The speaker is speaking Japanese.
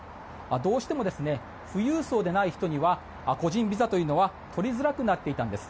どうしても富裕層でない人は個人ビザは取りづらくなっていたんです。